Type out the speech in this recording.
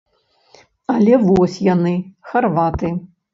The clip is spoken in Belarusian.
Але вось яны, харваты.